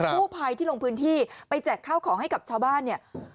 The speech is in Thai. ผู้พายที่ลงพื้นที่ไปแจ็งข้าวของให้กับชาวบ้าน